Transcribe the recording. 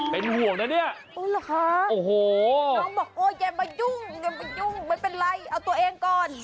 เป็นห่วงนะเนี่ยโอ้โหน้องบอกอย่ามายุ่งมันเป็นไรเอาตัวเองก่อน